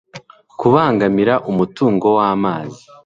kubangamira umutungo w amazi